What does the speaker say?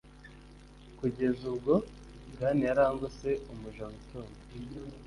Kugeza ubwo gan yarangose Umuja witonda